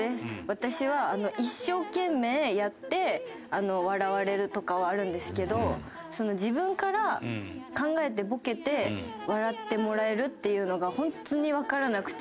私は一生懸命やって笑われるとかはあるんですけど自分から考えてボケて笑ってもらえるっていうのが本当にわからなくて。